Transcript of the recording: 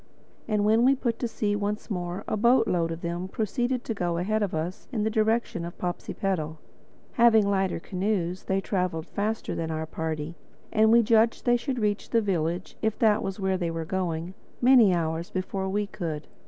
And when we put to sea once more a boatload of them proceeded to go ahead of us in the direction of Popsipetel. Having lighter canoes, they traveled faster than our party; and we judged that they should reach the village—if that was where they were going—many hours before we could.